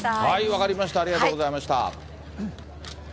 分かりました、ありがとうございました。